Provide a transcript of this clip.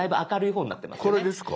これですか？